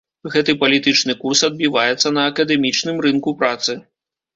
Гэты палітычны курс адбіваецца на акадэмічным рынку працы.